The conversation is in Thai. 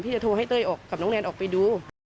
จะโทรให้เต้ยออกกับน้องแนนออกไปดู